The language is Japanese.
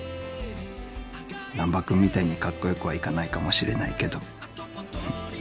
難破君みたいにカッコ良くはいかないかもしれないけど。